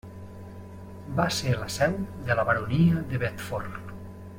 Va ser la seu de la baronia de Bedford.